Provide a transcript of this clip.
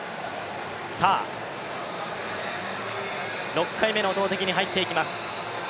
６回目の投てきに入っていきます。